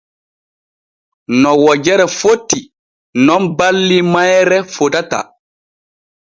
No wojere foti nun balli mayre fotata.